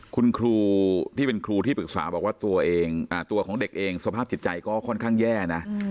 คุณครูที่เป็นครูที่ปรึกษาบอกว่าตัวของเด็กเองสภาพจิตใจก็ค่อนข้างแย่นะ